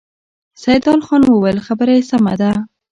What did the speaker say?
سيدال خان وويل: خبره يې سمه ده.